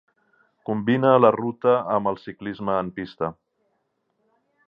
Combina la ruta amb el ciclisme en pista.